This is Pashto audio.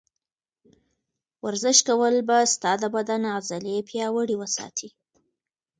ورزش کول به ستا د بدن عضلې پیاوړې وساتي.